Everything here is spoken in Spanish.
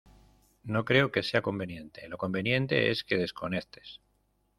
no creo que sea conveniente. lo conveniente es que desconectes